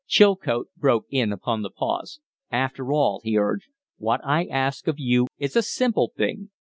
Chilcote broke in upon the pause. "After all," he urged, "what I ask of you is a simple thing.